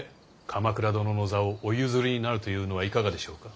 鎌倉殿の座をお譲りになるというのはいかがでしょうか。